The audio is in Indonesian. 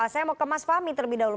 saya mau ke mas fahmi terlebih dahulu